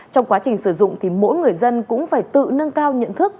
trong quá trình sử dụng thì mỗi người dân cũng phải tự nâng cao nhận thức